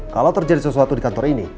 kalau terjadi sesuatu di kantor ini